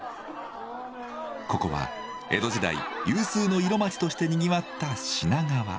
ここは江戸時代有数の色街としてにぎわった品川。